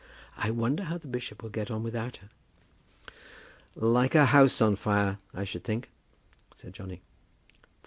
I wonder how the bishop will get on without her." "Like a house on fire, I should think," said Johnny.